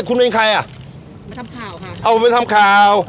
คุณเป็นใครอ่ะมาทำข่าวค่ะเอาผมไปทำข่าว